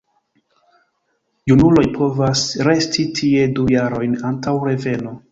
Junuloj povas resti tie du jarojn antaŭ reveno.